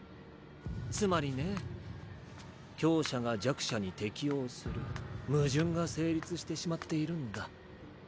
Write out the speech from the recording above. つまりね強者が弱者に適応する矛盾が成立してしまっているんだ。